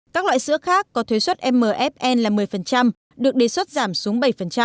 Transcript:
các loại sữa khác có thuế xuất mfn là một mươi được đề xuất giảm xuống bảy